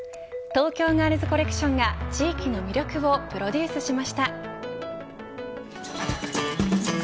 東京ガールズコレクションが地域の魅力をプロデュースしました。